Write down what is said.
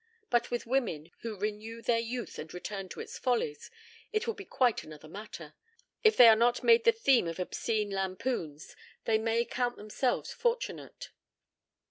But with women, who renew their youth and return to its follies, it will be quite another matter. If they are not made the theme of obscene lampoons they may count themselves fortunate.